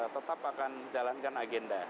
tetap akan jalankan agenda